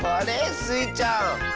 スイちゃん